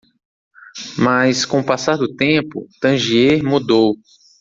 Mas? com o passar do tempo? Tangier mudou.